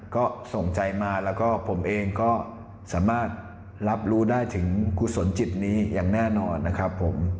ก็ส่งใจมาแล้วก็ผมเองก็สามารถรับรู้ได้ถึงกุศลจิตนี้อย่างแน่นอนนะครับผม